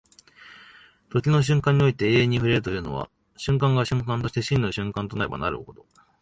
時の瞬間において永遠に触れるというのは、瞬間が瞬間として真の瞬間となればなるほど、